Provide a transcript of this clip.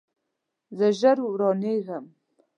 زه ژر روانیږم